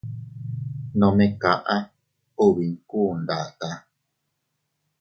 Nome kaʼa ubi inkuu ndataa.